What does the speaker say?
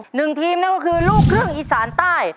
หนึ่งทีมนั่นก็คือลูกครึ่งอีสานใต้